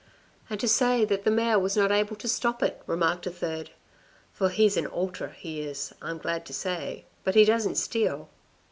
"And to say that the mayor was not able to stop it," remarked a third. " For he's an ultra he is, I'm glad to say, but he doesn't steal."